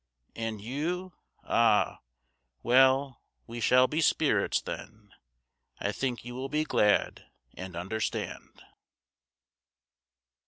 And you? Ah! well, we shall be spirits then, I think you will be glad and understand.